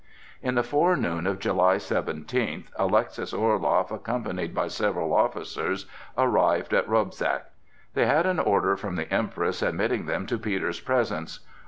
In the forenoon of July seventeenth, Alexis Orloff, accompanied by several officers, arrived at Robzak. They had an order from the Empress admitting them to Peter's presence.